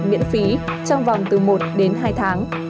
miễn phí trong vòng từ một đến hai tháng